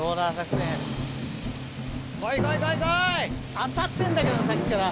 当たってんだけどさっきから。